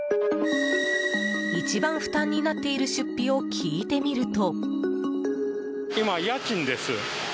一番負担になっている出費を聞いてみると。